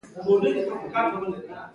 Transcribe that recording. فاسټین په نامه یو مشهور ټوکر تولید شو.